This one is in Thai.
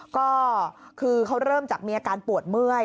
ก็คือเขาเริ่มจากมีอาการปวดเมื่อย